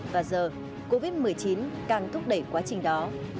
và giờ covid một mươi chín càng thúc đẩy quá trình đó